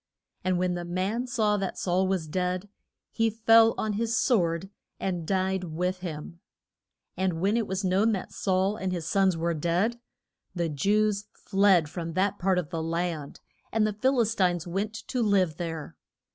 And when the man saw that Saul was dead, he fell on his sword and died with him. And when it was known that Saul and his sons were dead, the Jews fled from that part of the land, and the Phil is tines went to live there.